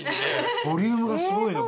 ボリュームがすごいのよ